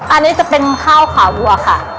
อันนี้จะเป็นข้าวขาวัวค่ะ